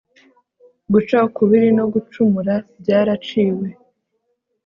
guca ukubiri no gucumura byaraciwe